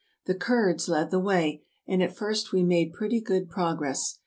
The Kurds led the way, and at first we made pretty good progress.